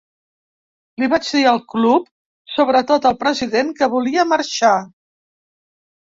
Li vaig dir al club, sobretot al president, que volia marxar.